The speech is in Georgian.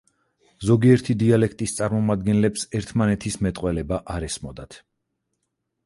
ზოგიერთი დიალექტის წარმომადგენლებს ერთმანეთის მეტყველება არ ესმოდათ.